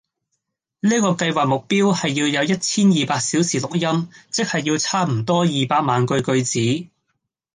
呢個計劃目標係要有一千二百小時錄音，即係要差唔多二百萬句句子